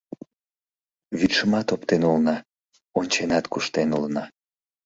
Вӱдшымат оптен улына, онченат куштен улына